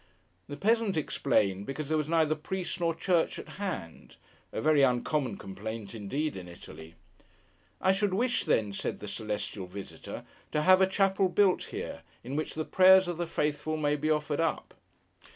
The peasant explained because there was neither priest nor church at hand—a very uncommon complaint indeed in Italy. 'I should wish, then,' said the Celestial Visitor, 'to have a chapel built here, in which the prayers of the Faithful may be offered up.